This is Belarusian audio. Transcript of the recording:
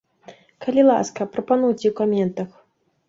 Калі ласка, прапануйце ў каментах.